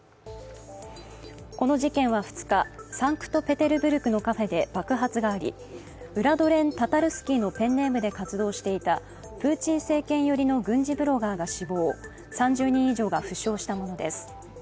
この事件は２日、サンクトペテルブルクのカフェで爆発があり、ウラドレン・タタルスキーのペンネームで活動していたプーチン政権寄りの軍事ブロガーが死亡、３０人以上が負傷したものです。